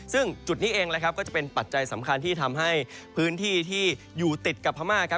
ซึ่งจุดนี้เองนะครับก็จะเป็นปัจจัยสำคัญที่ทำให้พื้นที่ที่อยู่ติดกับพม่าครับ